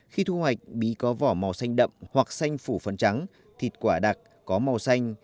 khi thu hoạch bí có vỏ màu xanh đậm hoặc xanh phủ phần trắng thịt quả đặc có màu xanh